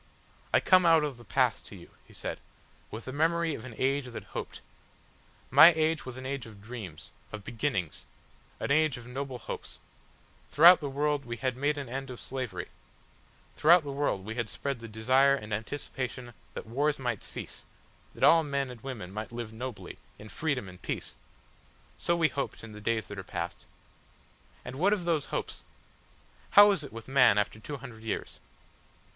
"I come out of the past to you," he said, "with the memory of an age that hoped. My age was an age of dreams of beginnings, an age of noble hopes; throughout the world we had made an end of slavery; throughout the world we had spread the desire and anticipation that wars might cease, that all men and women might live nobly, in freedom and peace.... So we hoped in the days that are past. And what of those hopes? How is it with man after two hundred years?